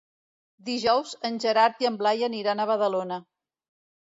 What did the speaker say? Dijous en Gerard i en Blai aniran a Badalona.